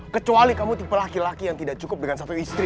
kecuali kamu tipe laki laki yang tidak cukup dengan satu istri